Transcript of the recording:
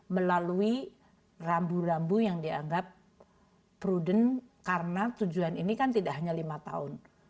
melalui rambu rambu yang dianggap prudent karena tujuan ini kan tidak hanya lima tahun